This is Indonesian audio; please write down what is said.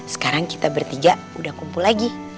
sekarang kita bertiga udah kumpul lagi